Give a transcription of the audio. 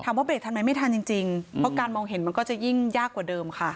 เบรกทันไหมไม่ทันจริงเพราะการมองเห็นมันก็จะยิ่งยากกว่าเดิมค่ะ